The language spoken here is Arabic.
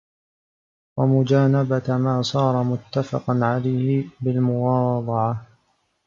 وَمُجَانَبَةَ مَا صَارَ مُتَّفَقًا عَلَيْهِ بِالْمُوَاضَعَةِ